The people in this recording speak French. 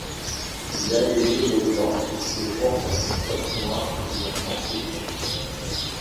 Il a des cheveux blancs, et porte un t-shirt noir et un manteau blanc.